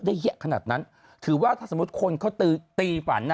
ได้ไอ้แอดขนาดนั้นถือว่าถ้าสมมติคนเขาตีฝันน่ะ